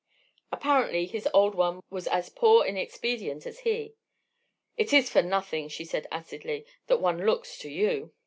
Apparently his old one was as poor in expedient as he. "It is for nothing," she said, acidly, "that one looks to you!"